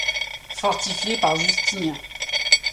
Fortifiée par Justinien.